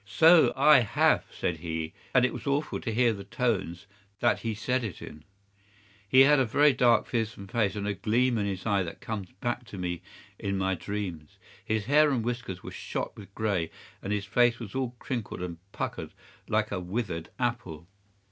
"'"So I have," said he, and it was awful to hear the tones that he said it in. He had a very dark, fearsome face, and a gleam in his eyes that comes back to me in my dreams. His hair and whiskers were shot with grey, and his face was all crinkled and puckered like a withered apple.